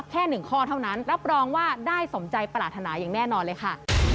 แค่๑ข้อเท่านั้นรับรองว่าได้สมใจปรารถนาอย่างแน่นอนเลยค่ะ